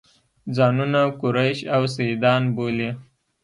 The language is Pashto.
ځانونه قریش او سیدان بولي.